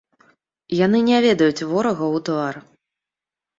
Яны не ведаюць ворага ў твар.